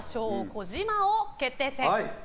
児嶋王決定戦。